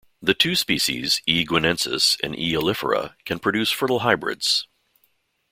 The two species, "E. guineensis" and "E. oleifera" can produce fertile hybrids.